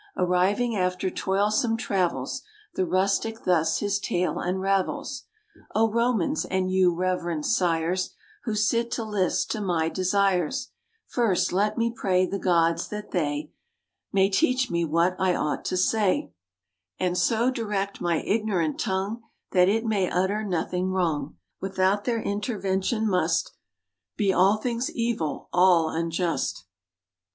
Arriving after toilsome travels, The rustic thus his tale unravels: "O Romans! and you, reverend sires, Who sit to list to my desires, First, let me pray the gods, that they May teach me what I ought to say, And so direct my ignorant tongue, That it may utter nothing wrong! Without their intervention must Be all things evil, all unjust.